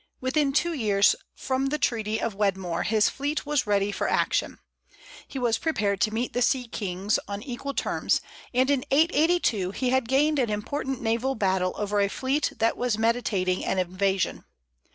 Within two years from the treaty of Wedmore his fleet was ready for action. He was prepared to meet the sea kings on equal terms, and in 882 he had gained an important naval battle over a fleet that was meditating an invasion.